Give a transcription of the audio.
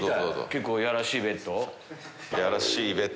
結構やらしいベッド？